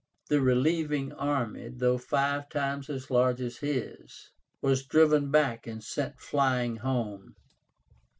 The relieving army, though five times as large as his, was driven back and sent flying home.